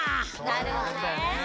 なるほどね。